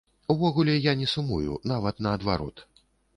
Увогуле, я не сумую, нават наадварот.